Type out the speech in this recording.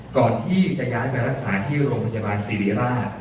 ก่อนที่จะย้ายไปรักษาที่โรงพยาบาลสิริราช